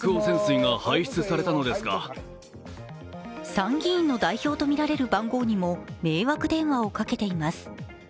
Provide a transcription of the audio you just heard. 参議院の代表とみられる番号にも迷惑電話をかけています。